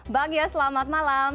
bang yos selamat malam